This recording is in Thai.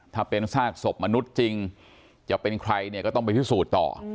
ถ้าเป็นซากศพมนุษย์จริงจะเป็นใครเนี่ยก็ต้องไปพิสูจน์ต่อ